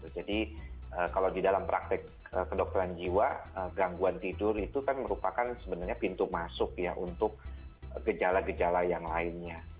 jadi kalau di dalam praktek kedokteran jiwa gangguan tidur itu kan merupakan sebenarnya pintu masuk untuk gejala gejala yang lainnya